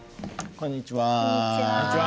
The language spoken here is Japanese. こんにちは。